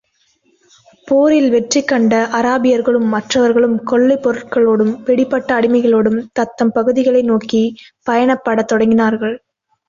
போரில் வெற்றி கண்ட அராபியர்களும் மற்றவர்களும் கொள்ளைப் பொருள்களோடும், பிடிபட்ட அடிமைகளோடும் தத்தம் பகுதிகளை நோக்கிப் பயணப்படத் தொடங்கினார்கள்.